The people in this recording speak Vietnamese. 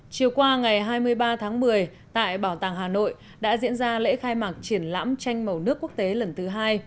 chiều qua ngày hai mươi ba tháng một mươi tại bảo tàng hà nội đã diễn ra lễ khai mạc triển lãm tranh màu nước quốc tế lần thứ hai